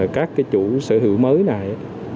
các chủ sở hữu mới này